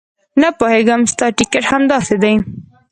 نه پوهېږم ستا ټیکټ همداسې دی.